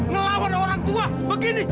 ngelawan orang tua begini